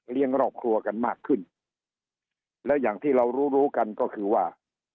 ครอบครัวกันมากขึ้นแล้วอย่างที่เรารู้รู้กันก็คือว่า